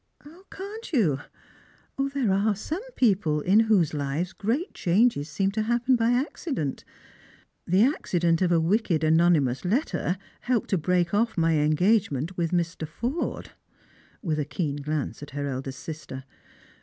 " Can't you ? There are some people in whose lives great changes seem to happen by accident. The accident of a wicked anonymous letter helped to break off my engagement with Mr. Forde," with a keen glance at her eldest sister.